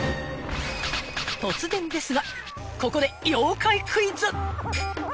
［突然ですがここで妖怪クイズ］